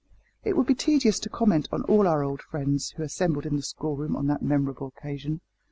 It would be tedious to comment on all our old friends who assembled in the schoolroom on that memorable occasion.